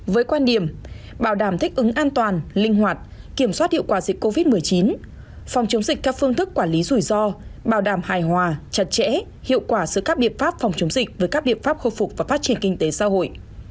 với quan điểm bảo đảm thích ứng an toàn linh hoạt kiểm soát hiệu quả dịch covid một mươi chín phòng chống dịch theo phương thức quản lý rủi ro bảo đảm hài hòa chặt chẽ hiệu quả giữa các biện pháp phòng chống dịch với các biện pháp khôi phục và phát triển kinh tế xã hội